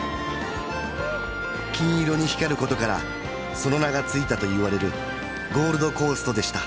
金色に光ることからその名が付いたといわれるゴールドコーストでした